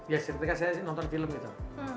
ya ketika saya sih nonton film gitu